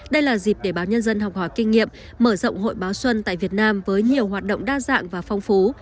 đây là dịp để báo nhân dân học hỏi kinh nghiệm mở rộng hội báo xuân tại việt nam với nhiều hoạt động đa dạng và phong phú